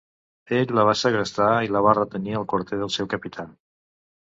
Ell la va segrestar i la va retenir al quarter del seu capità.